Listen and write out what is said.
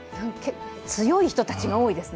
強い人たちが多いですね。